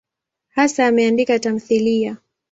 Hasa ameandika tamthiliya.